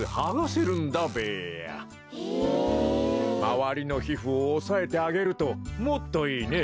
まわりのひふをおさえてあげるともっといいね。